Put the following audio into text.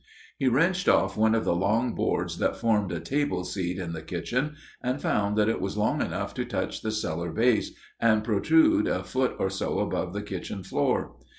He wrenched off one of the long boards that formed a table seat in the kitchen, and found that it was long enough to touch the cellar base and protrude a foot or so above the kitchen floor.